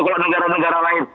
kalau negara negara lain